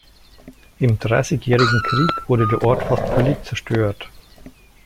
Im Dreißigjährigen Krieg wurde der Ort fast völlig zerstört.